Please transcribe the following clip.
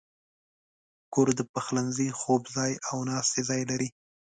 کور د پخلنځي، خوب ځای، او ناستې ځای لري.